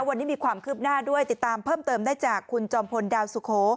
วันนี้มีความคืบหน้าด้วยติดตามเพิ่มเติมได้จากคุณจอมพลดาวสุโข